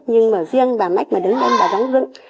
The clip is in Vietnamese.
nhưng mà riêng bà mách mà đứng lên bà giáo dựng